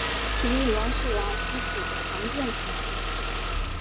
奇异龙是兰斯组的常见恐龙。